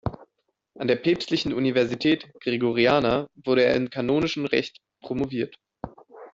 An der Päpstlichen Universität Gregoriana wurde er in Kanonischem Recht promoviert.